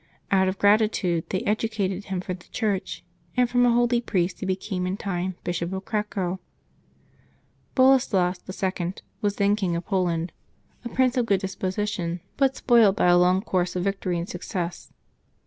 Out of gratitude they educated him for the Church, and from a holy priest he became in time Bishop of Cracow. Boleslas II. was then King of Poland — a prince of good disposition, but spoilt 172 LIVES OF TEE SAINTS [May 8 by a lon^ course of victory and success.